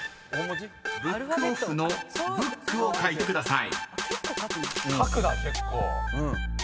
［ブックオフの「ブック」を書いてください］